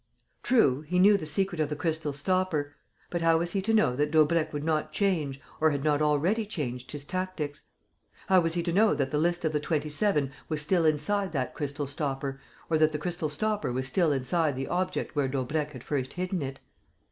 True, he knew the secret of the crystal stopper. But how was he to know that Daubrecq would not change or had not already changed his tactics? How was he to know that the list of the Twenty seven was still inside that crystal stopper or that the crystal stopper was still inside the object where Daubrecq had first hidden it?